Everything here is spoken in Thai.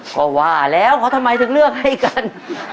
ก็ว่าแล้วเขาทำไมถึงเลือกให้กัน